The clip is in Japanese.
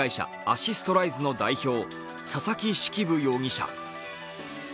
アシストライズの代表、佐々木式部容疑者。